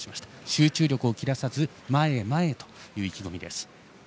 集中力を切らさずに前へ前へという意気込みです。